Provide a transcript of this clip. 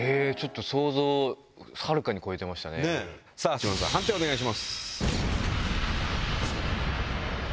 内村さん判定をお願いします。